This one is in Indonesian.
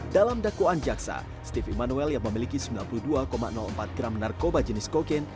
dalam dakwaan jaksa steve emanuel yang memiliki sembilan puluh dua empat gram narkoba jenis kokain